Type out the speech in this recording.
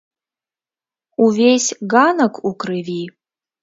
Увесь ганак у крыві.